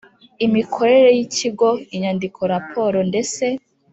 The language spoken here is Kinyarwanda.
Imikorere y ikigo inyandiko raporo ndese